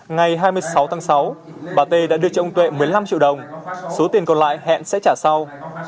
ngày hai mươi sáu tháng sáu bà t đã đưa cho ông tuệ một mươi năm triệu đồng số tiền còn lại hẹn sẽ trả sau